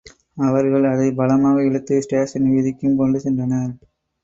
அவர்கள் அதைப் பலமாக இழுத்து ஸ்டேஷன் வீதிக்குக் கொண்டு சென்றனர்.